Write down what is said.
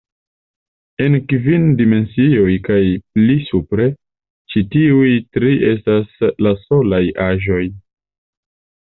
En kvin dimensioj kaj pli supre, ĉi tiuj tri estas la solaj aĵoj.